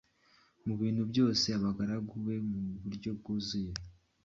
ibintu byose abagaragu be mu buryo bwuzuye.